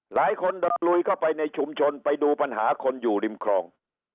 หลายคนลุยเข้าไปในชุมชนไปดูปัญหาคนอยู่ริมคลอง